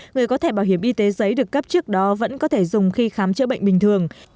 người có thể bảo hiểm y tế giấy được cấp trước đó vẫn có thể dùng khi khám chữa bệnh bình thường